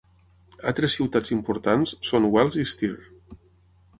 Altres ciutats importants són Wels i Steyr.